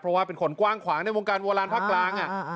เพราะว่าเป็นคนกว้างขวางในวงการวัวลานภาคล้างอ่ะอ่าอ่า